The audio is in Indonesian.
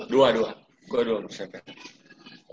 dua dua gue dua bersaudara